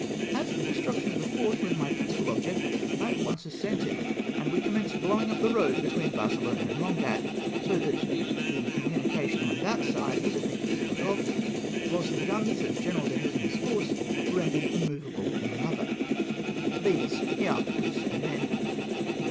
As the destruction of the fort was my principal object, I at once assented, and we commenced blowing up the road between Barcelona and Mongat, so that the communication on that side was effectively cut off, whilst the guns of General Duhesme's force were ren dered immovable on the other ; these he afterwards abandoned.